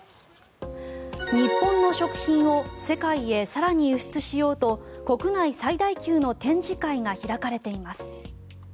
日本の食品を世界へ更に輸出しようと国内最大級の展示会が開かれています。